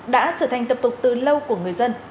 đã trở thành tập tục từ lâu của người dân